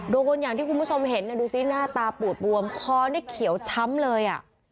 โดนบนอย่างที่คุณผู้ชมเห็นดูสิหน้าตาปูดบวมคอนี่เขียวช้ำเลย